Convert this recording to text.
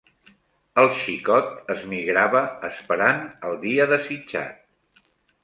El xicot es migrava esperant el dia desitjat